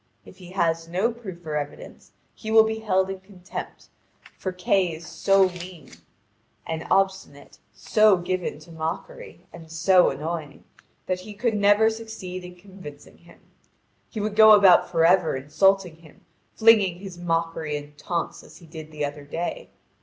If he has no proof or evidence he will be held in contempt, for Kay is so mean and obstinate, so given to mockery, and so annoying, that he could never succeed in convincing him. He would go about for ever insulting him, flinging his mockery and taunts as he did the other day.